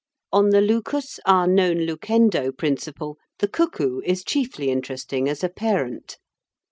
On the lucus a non lucendo principle, the cuckoo is chiefly interesting as a parent.